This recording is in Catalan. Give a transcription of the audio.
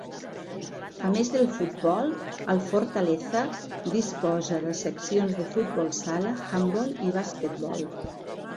A més del futbol, el Fortaleza disposa de seccions de futbol sala, handbol i basquetbol.